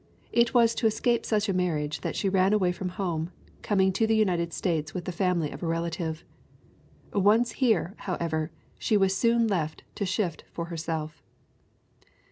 It was to escape such a marriage that she ran away from home, coming to the United States with the family of a relative. Once here, however, she was soon left to shift for herself.